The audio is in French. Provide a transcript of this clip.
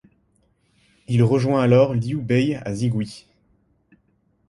Il rejoint alors Liu Bei à Zigui.